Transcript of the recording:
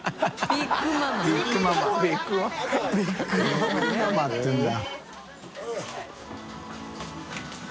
ビッグママっていうんだ。